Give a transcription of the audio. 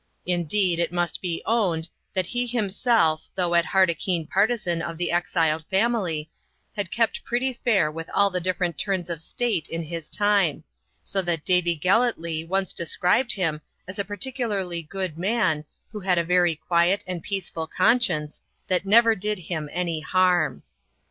Indeed, it must be owned, that he himself, though at heart a keen partisan of the exiled family, had kept pretty fair with all the different turns of state in his time; so that Davie Gellatley once described him as a particularly good man, who had a very quiet and peaceful conscience, THAT NEVER DID HIM ANY HARM.